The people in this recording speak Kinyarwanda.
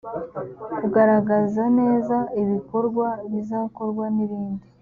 kugaragaza neza ibikorwa bizakorwa n’ibindi